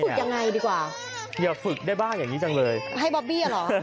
ยังไงดีกว่าอย่าฝึกได้บ้างอย่างนี้จังเลยให้บอบบี้อ่ะเหรอ